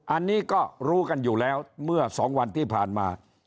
อันนี้ก็รู้กันอยู่แล้วเมื่อ๒วันที่ผ่านมา